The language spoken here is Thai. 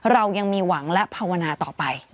เรายังมีหวังและภาวนาต่อไป